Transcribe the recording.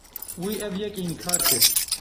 Wî ev yek înkar kir.